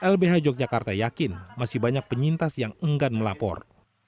lbh yogyakarta yakin masih banyak penyintas yang enggan melapor